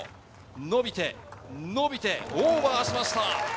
伸びて、伸びてオーバーしました！